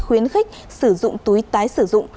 khuyến khích sử dụng túi tái sử dụng